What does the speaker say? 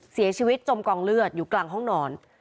เสียชีวิตจมกองเลือดอยู่กลางห้องนอน